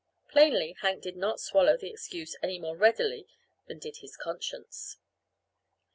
Plainly, Hank did not swallow the excuse any more readily than did his conscience.